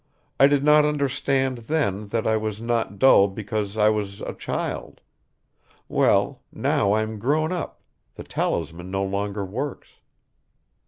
I did not understand then that I was not dull just because I was a child. Well, now I'm grown up, the talisman no longer works."